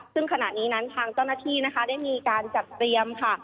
ซึ่งขณะนี้นั้นทางเจ้าหน้าที่นะคะได้มีการจัดเตรียมค่ะ